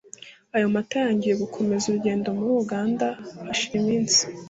Ayo mata yangiwe gukomeza urugendo muri Uganda hashira iminsi